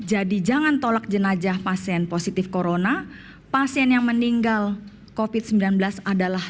jadi jangan tolak jenajah pasien positif corona pasien yang meninggal covid sembilan belas adalah